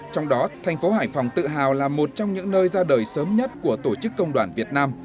trong đó thành phố hải phòng tự hào là một trong những nơi ra đời sớm nhất của tổ chức công đoàn việt nam